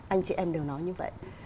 anh chị em đều nói như vậy